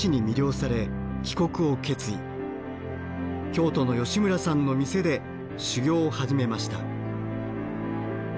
京都の吉村さんの店で修業を始めました。